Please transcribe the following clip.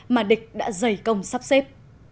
mà địch đã dày công sắp xếp